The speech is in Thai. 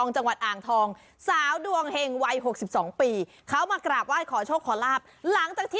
ชาวบ้านขอโชคจากน้ำตาเทียนไอไข่